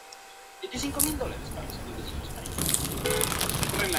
Diseñó un edificio que se abría y cerraba sobre sí mismo.